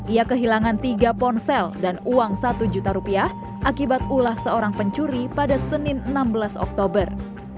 ia kehilangan tiga ponsel dan uang satu juta rupiah akibat ulah seorang pencuri pada senin enam belas oktober